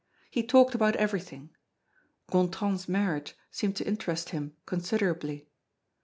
He talked about everything. Gontran's marriage seemed to interest him considerably.